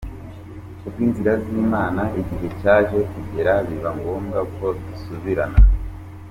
Kubw’inzira z’Imana igihe cyaje kugera biba ngombwa ko dusubirana.